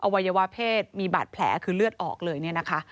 วัยวะเพศมีบาดแผลคือเลือดออกเลยเนี่ยนะคะ